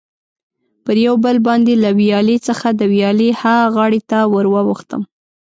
پر یو پل باندې له ویالې څخه د ویالې ها غاړې ته ور واوښتم.